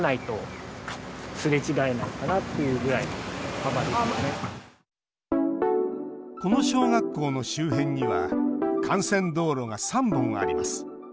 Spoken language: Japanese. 投稿したのは、この道路この小学校の周辺には幹線道路が３本あります。